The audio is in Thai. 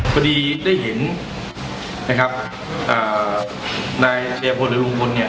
พอดีได้เห็นนะครับอ่านายอาชญาพลหรือลุงพลเนี่ย